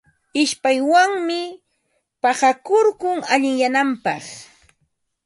Ishpaywanmi paqakurkun allinyananpaq.